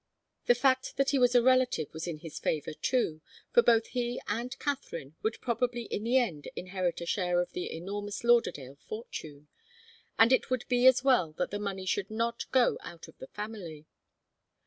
The fact that he was a relative was in his favour, too, for both he and Katharine would probably in the end inherit a share of the enormous Lauderdale fortune, and it would be as well that the money should not go out of the family.